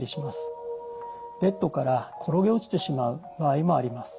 ベッドから転げ落ちてしまう場合もあります。